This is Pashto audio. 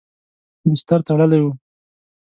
بستر تړلی و.